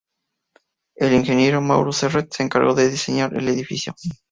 El ingeniero Mauro Serret se encargó de diseñar el edificio.